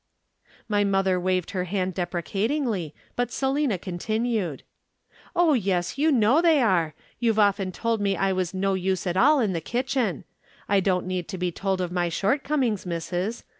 "My mother waved her hand deprecatingly, but Selina continued: "'Oh yes, you know they are. You've often told me I was no use at all in the kitchen. I don't need to be told of my shortcomings, missus.